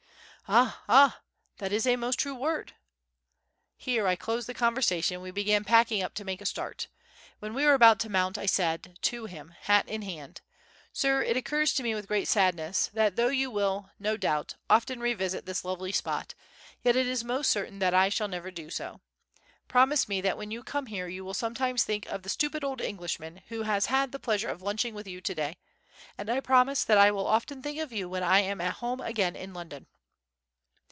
"Ah! ah! that is a most true word." Here I closed the conversation, and we began packing up to make a start. When we were about to mount, I said to him, hat in hand: "Sir, it occurs to me with great sadness that, though you will, no doubt, often revisit this lovely spot, yet it is most certain that I shall never do so. Promise me that when you come here you will sometimes think of the stupid old Englishman who has had the pleasure of lunching with you to day, and I promise that I will often think of you when I am at home again in London."